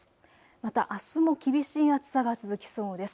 またあすも厳しい暑さが続きそうです。